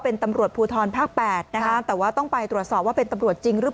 เป็นตำรวจภูทรภาค๘นะคะแต่ว่าต้องไปตรวจสอบว่าเป็นตำรวจจริงหรือเปล่า